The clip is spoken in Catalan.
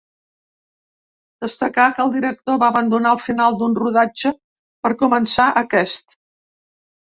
Destacar que el director va abandonar el final d'un rodatge per començar aquest.